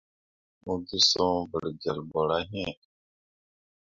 Mo gi soŋ bargelle ɓorah iŋ.